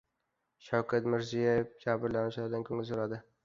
Shavkat Mirziyoyev jabrlanganlardan ko‘ngil so‘radi